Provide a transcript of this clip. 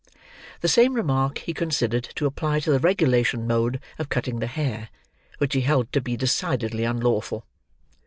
The same remark he considered to apply to the regulation mode of cutting the hair: which he held to be decidedly unlawful.